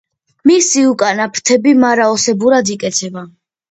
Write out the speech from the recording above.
მათი უკანა ფრთები მარაოსებურად იკეცება.